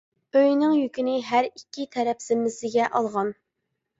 ئۆينىڭ يۈكىنى ھەر ئىككى تەرەپ زىممىسىگە ئالغان.